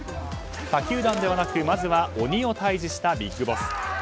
他球団ではなくまずは鬼を退治したビッグボス。